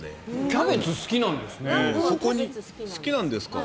キャベツ好きなんですね。